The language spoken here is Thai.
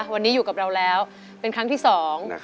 วันนี้อยู่กับเราแล้วเป็นครั้งที่สอง